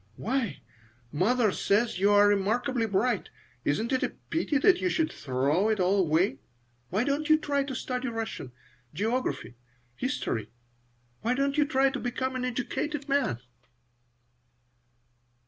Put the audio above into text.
Why, mother says you are remarkably bright. Isn't it a pity that you should throw it all away? Why don't you try to study Russian, geography, history? Why don't you try to become an educated man?"